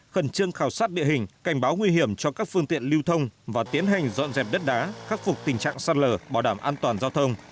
khẩn trương khảo sát địa hình cảnh báo nguy hiểm cho các phương tiện lưu thông và tiến hành dọn dẹp đất đá khắc phục tình trạng sạt lở bảo đảm an toàn giao thông